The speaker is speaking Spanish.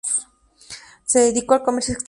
Se dedicó al comercio exterior.